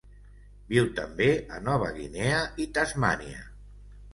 Viu també a Nova Guinea i Tasmània.